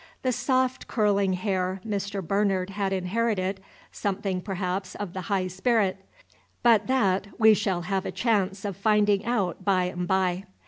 The soft curling hair Mr. Bernard had inherited, something, perhaps, of the high spirit; but that we shall have a chance of finding out by and by.